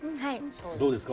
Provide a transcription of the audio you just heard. どうですか？